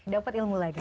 dapat ilmu lagi